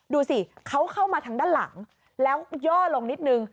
ดูสิเขาเข้ามาทางด้านหลังแล้วย่อลงนิดนึง